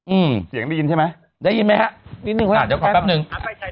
อือเบ้ยหิ้นใช่ไหมได้ยิ้มไหมครับมีออกแปปหนึ่ง